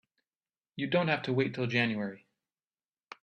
You don't have to wait till January.